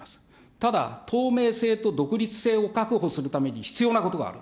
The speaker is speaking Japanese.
ただ、透明性と独立性を確保するために必要なことがある。